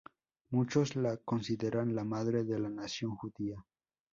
Muchos la consideran la madre de la nación judía.